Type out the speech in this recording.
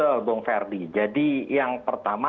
betul bung ferdi jadi yang pertama